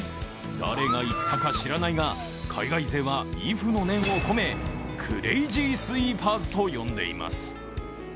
誰が言ったか知らないが、海外勢は畏怖の念を込めクレイジースイーパーズと呼んでいます。